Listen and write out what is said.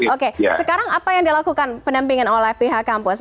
oke sekarang apa yang dilakukan pendampingan oleh pihak kampus